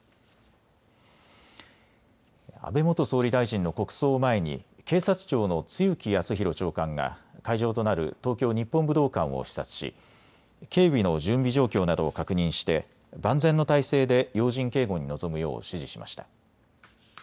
安倍元総理大臣の国葬を前に警察庁の露木康浩長官が会場となる東京日本武道館を視察し警備の準備状況などを確認して万全の態勢で要人警護に臨むよう指示しました。